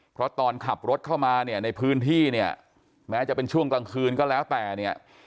เพราะตอนขับรถเข้ามาเนี่ยในพื้นที่เนี่ยแม้จะเป็นช่วงกลางคืนก็แล้วแต่เนี่ย